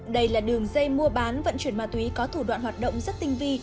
đây là đường dây mua bán vận chuyển ma túy có thủ đoạn hoạt động rất tinh vi